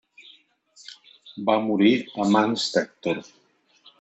Va morir a mans d'Hèctor.